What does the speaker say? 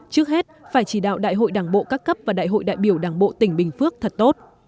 trước hết phải chỉ đạo đại hội đảng bộ các cấp và đại hội đại biểu đảng bộ tỉnh bình phước thật tốt